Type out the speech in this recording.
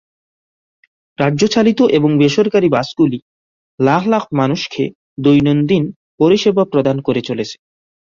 রাজ্য-চালিত এবং বেসরকারি বাসগুলি লাখ-লাখ মানুষকে দৈনন্দিন পরিষেবা প্রদান করে চলেছে।